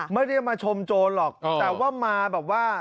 ไม่ได้มาชมโจรหรอกแต่ว่ามาแบบว่า